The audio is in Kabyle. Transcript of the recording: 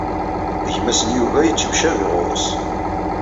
Gma-s n Yuba yettemcabi ɣur-s.